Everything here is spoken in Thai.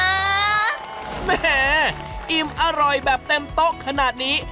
แหม่อิ่มอร่อยแบบเต็มโต๊ะขนาดนี้